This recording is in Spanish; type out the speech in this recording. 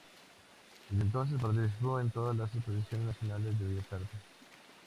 Desde entonces participó en todas las exposiciones nacionales de bellas artes.